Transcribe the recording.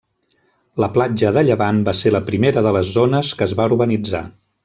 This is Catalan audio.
La platja de Llevant va ser la primera de les zones que es va urbanitzar.